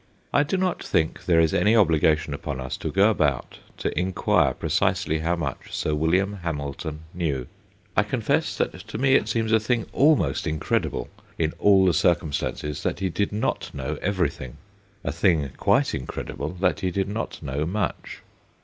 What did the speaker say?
I do not think there is any obligation upon us to go about to inquire precisely how much Sir William Hamilton knew. I confess that to me it seems a thing almost incredible, in all the circumstances, that he did not know everything a thing quite incredible that he did not know much.